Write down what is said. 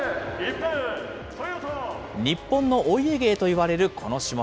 日本のお家芸といわれるこの種目。